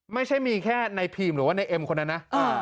ไม่ใช่มีแค่ในพีมหรือว่าในเอ็มคนนั้นนะ